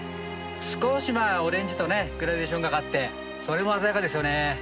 少しオレンジとグラデーションがかってそれも鮮やかですよね。